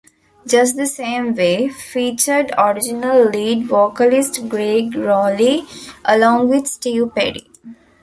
"Just the Same Way" featured original lead vocalist Gregg Rolie along with Steve Perry.